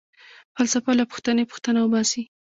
فلسفه له پوښتنې٬ پوښتنه وباسي.